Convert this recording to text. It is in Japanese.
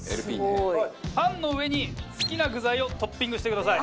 パンの上に好きな具材をトッピングしてください。